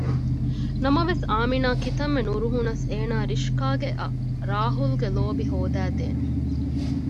ނަމަވެސް އާމިނާ ކިތަންމެ ނުރުހުނަސް އޭނާ ރިޝްކާއަށް ރާހުލްގެ ލޯބި ހޯދައިދޭނެ